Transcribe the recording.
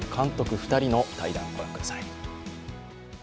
２人の対談、ご覧ください。